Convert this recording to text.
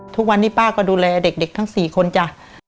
ทุกวันนี้ป้าก็ดูแลเด็กทั้ง๔คนจ้ะ